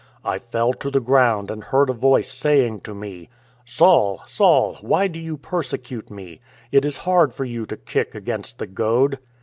" I fell to the ground and heard a Voice saying to me: "* Saul, Saul, why do you persecute me ? It is hard for you to kick against the goad.'